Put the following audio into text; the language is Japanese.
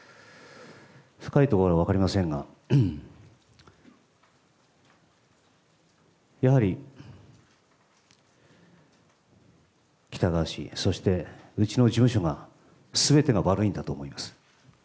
深いところは分かりませんが、やはり喜多川氏、そしてうちの事務所がすべてが悪いんだと思います。